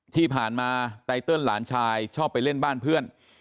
ที่ผ่านมาไตเติ้ลหลานชายชอบไปเล่นบ้านเพื่อน